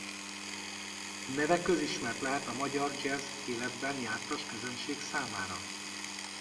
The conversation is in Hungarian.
Neve közismert lehet a magyar jazz életben jártas közönség számára.